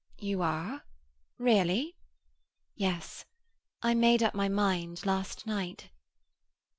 "You are—really?" "Yes. I made up my mind last night."